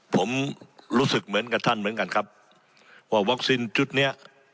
ผมรู้สึกเหมือนกับท่านเหมือนกันครับว่าวัคซีนชุดเนี้ย